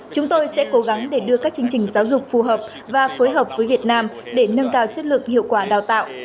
chúng tôi sẽ cố gắng để đưa các chương trình giáo dục phù hợp và phối hợp với việt nam để nâng cao chất lượng hiệu quả đào tạo